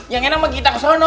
yang enak mau kita ke sana